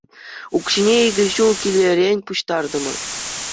Укҫине икӗ ҫул килӗрен пуҫтартӑмӑр.